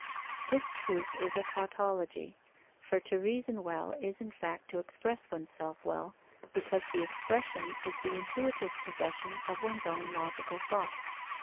This truth is a tautology, for to reason well is in fact to express oneself well, because the expression is the intuitive possession of one's own logical thought.